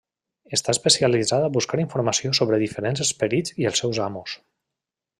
Està especialitzat a buscar informació sobre diferents esperits i els seus amos.